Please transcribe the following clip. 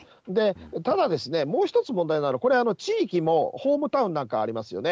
ただですね、もう一つ問題なのは、これ、地域もホームタウンなんかありますよね。